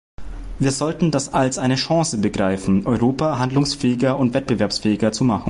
Wir sollten das als eine Chance begreifen, Europa handlungsfähiger und wettbewerbsfähiger zu machen.